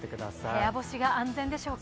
部屋干しが安全でしょうか。